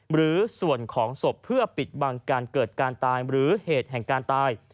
หรือส่วนของศพเพื่อปิดบังการเกิดการตายหรือเหตุแห่งการตาย